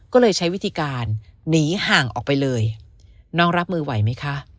ก็เลยใช้วิธีการหนีห่างออกไปเลยน้องรับมือไหวไหมคะ